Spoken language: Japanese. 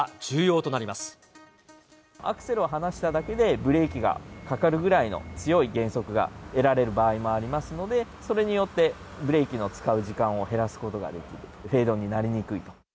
アクセルを離しただけで、ブレーキがかかるぐらいの強い減速が得られる場合もありますので、それによって、ブレーキの使う時間を減らすことができる。